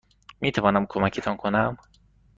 میتوانم کمکتان کنم؟